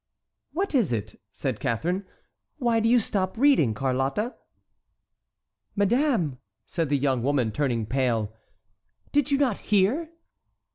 "What is it?" said Catharine; "why do you stop reading, Carlotta?" "Madame," said the young woman, turning pale, "did you not hear?"